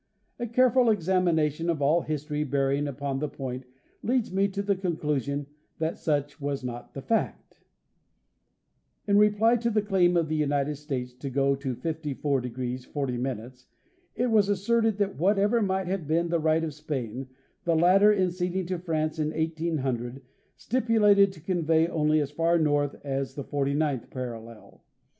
A careful exam ination of all history bearing upon the point leads me to the conclusion that such was not the fact. In reply to the claim of the United States to go to 54° 40%, it was asserted that whatever might have been the right of Spain, the latter in ceding to France in 1800 stipulated to convey only 264 John H. Mitchell— Oregon as far north as the forty ninth parallel.